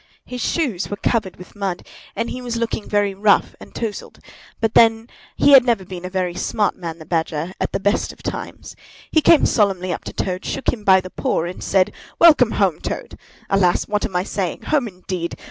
His shoes were covered with mud, and he was looking very rough and touzled; but then he had never been a very smart man, the Badger, at the best of times. He came solemnly up to Toad, shook him by the paw, and said, "Welcome home, Toad! Alas! what am I saying? Home, indeed!